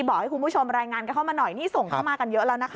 บอกให้คุณผู้ชมรายงานกันเข้ามาหน่อยนี่ส่งเข้ามากันเยอะแล้วนะคะ